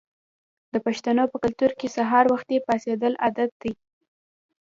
د پښتنو په کلتور کې سهار وختي پاڅیدل عادت دی.